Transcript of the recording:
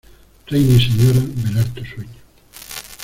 reina y señora, velar tu sueño.